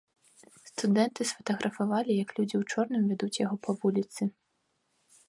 Студэнты сфатаграфавалі, як людзі ў чорным вядуць яго па вуліцы.